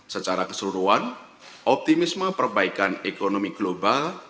secara keseluruhan optimisme perbaikan ekonomi global